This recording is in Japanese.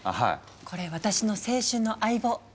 これ私の青春の相棒。